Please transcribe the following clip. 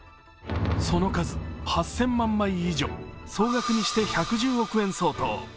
その数、８０００万枚以上総額にして１１０億円相当。